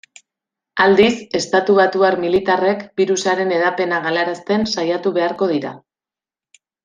Aldiz, estatubatuar militarrek birusaren hedapena galarazten saiatuko behar dira.